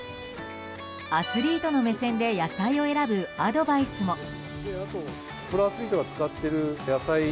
アスリートの目線で野菜を選ぶアドバイスも。